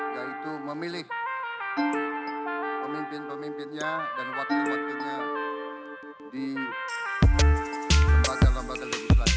yaitu memilih pemimpin pemimpinnya dan wakil wakilnya di kembang kembang yang lebih selanjutnya